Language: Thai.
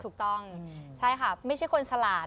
ถูกต้องใช่ค่ะไม่ใช่คนฉลาด